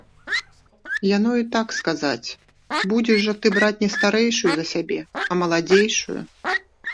Яно і так сказаць, будзеш жа ты браць не старэйшую за сябе, а маладзейшую.